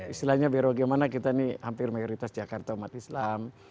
istilahnya biar bagaimana kita ini hampir mayoritas jakarta umat islam